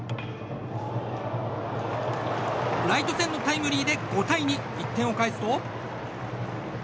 ライト線のタイムリーで５対２１点を返すと。